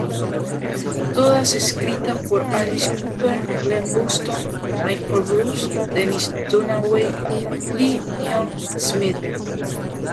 Todas escritas por Alice Cooper, Glen Buxton, Michael Bruce, Dennis Dunaway y Neal Smith.